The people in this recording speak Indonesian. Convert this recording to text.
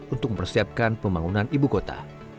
untuk mempersiapkan pembangunan ibu kota